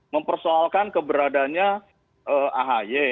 mempersoalkan keberadanya ahy